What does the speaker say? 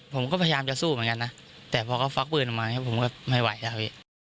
ผมก็พยายามจะสู้เหมือนกันนะแต่พอเขาฟักปืนออกมาอย่างนี้ผมก็ไม่ไหวแล้วพี่